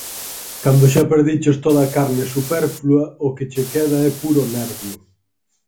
Cando xa perdiches toda a carne superflua, o que che queda é puro nervio.